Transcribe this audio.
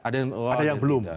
ada yang belum